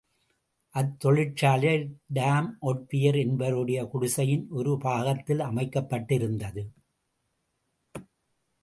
அத்தொழிற்சாலை Tom ஒட்வியர் என்பவருடைய குடிசையின் ஒரு பாகத்தில் அமைக்கப்பட்டிருந்தது.